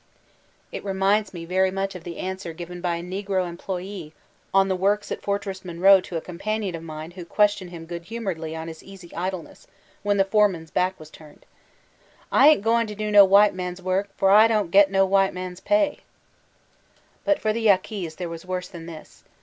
It reminds me very much of the answer given by a negro employee on the works at Fortress Monroe to a companion of mine who questioned him good humoredly on his easy idleness when the foreman's back was turned. ''Ah ain't goin' to do no white man's work, fo' Ah don' get no white man's pay." But for the Yaquis» there was worse than this.